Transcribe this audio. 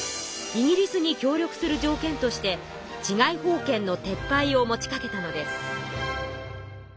イギリスに協力する条件として治外法権の撤廃を持ちかけたのです。